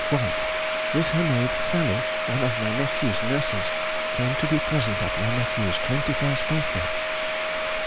White, with her maid Sally (one of my nephew's nurses), came to be present at my nephew's twenty first birthday.